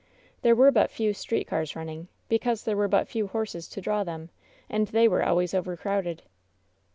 There were but few street cars running, because there were but few horses to draw them, and they were always overcrowded.